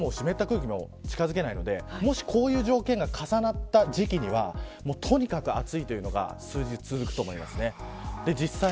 台風も湿った空気も近づけないのでもし、こういう条件が重なった時期にはとにかく暑いというのが数日続くと思います。